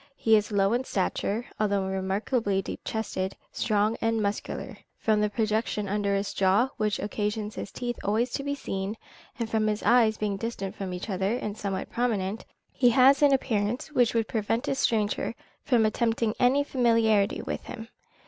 He is low in stature, although remarkably deep chested, strong, and muscular. From the projection of his under jaw, which occasions his teeth always to be seen, and from his eyes being distant from each other, and somewhat prominent, he has an appearance which would prevent a stranger from attempting any familiarity with him.